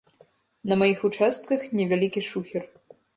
На маіх участках невялікі шухер.